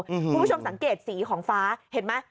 คุณผู้ชมสังเกตสีของฟ้าเห็นไหม